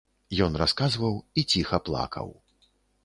Ён расказваў і ціха плакаў.